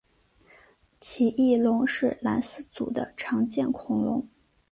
奇异龙是兰斯组的常见恐龙。